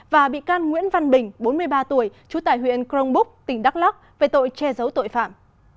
và bị can nguyễn văn bình bốn mươi ba tuổi trú tại huyện crong búc tỉnh đắk lắc về tội che giấu tội phạm